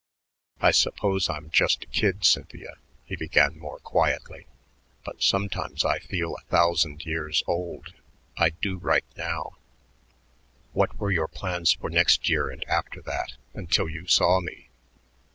"I suppose I'm just a kid, Cynthia," he added more quietly, "but sometimes I feel a thousand years old. I do right now." "What were your plans for next year and after that until you saw me?"